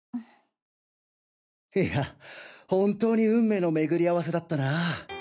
いやあ本当に運命の巡り合わせだったなぁ。